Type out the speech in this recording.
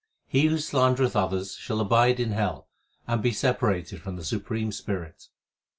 He who slandereth others shall abide in hell, and be separated from the Supreme Spirit.